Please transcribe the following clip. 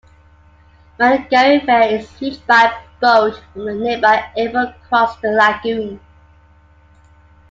Mangareva is reached by boat from the nearby airport across the lagoon.